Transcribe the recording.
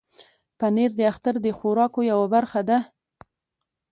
پنېر د اختر د خوراکو یوه برخه ده.